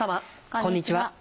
こんにちは。